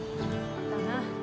だな。